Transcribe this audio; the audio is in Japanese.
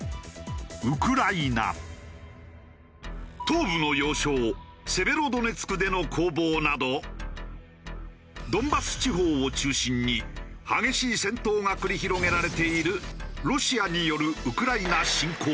東部の要衝セベロドネツクでの攻防などドンバス地方を中心に激しい戦闘が繰り広げられているロシアによるウクライナ侵攻。